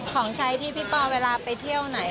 ของใช้ที่พี่ปอเวลาไปเที่ยวไหน